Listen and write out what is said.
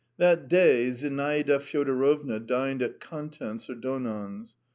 That day Zinaida Fyodorovna dined at Content's or Donon's.